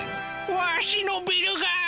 わしのビルが！